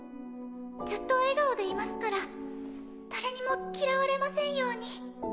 ずっと笑顔でいますから誰にも嫌われませんように